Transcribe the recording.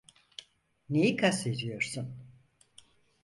Neyi kastediyorsun?